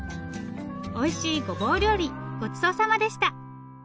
おいしいごぼう料理ごちそうさまでした。